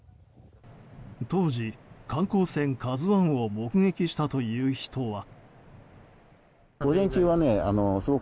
当時、観光船「ＫＡＺＵ１」を目撃したという人は。